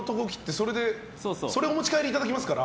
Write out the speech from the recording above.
それをお持ち帰りいただきますから。